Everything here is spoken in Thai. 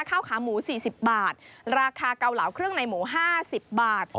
ข้าวขาหมูสี่สิบบาทราคาเกาเหลาเครื่องในหมูห้าสิบบาท